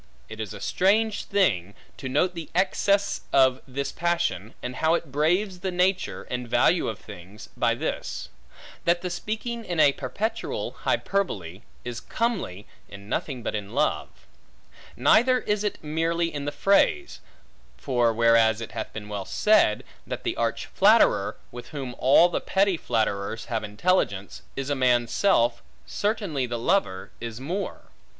It is a strange thing, to note the excess of this passion, and how it braves the nature, and value of things, by this; that the speaking in a perpetual hyperbole, is comely in nothing but in love. Neither is it merely in the phrase; for whereas it hath been well said, that the arch flatterer, with whom all the petty flatterers have intelligence, is a man's self; certainly the lover is more.